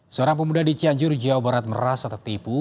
seorang pemuda di cianjur jawa barat merasa tertipu